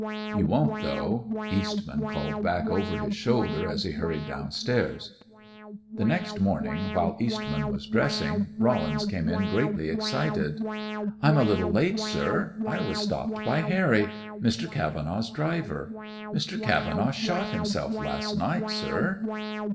"You won't, though," Eastman called back over his shoulder as he hurried down stairs. The next morning, while Eastman was dressing, Rollins came in greatly excited. "I'm a little late, sir. I was stopped by Harry, Mr. Cavenaugh's driver. Mr. Cavenaugh shot himself last night, sir."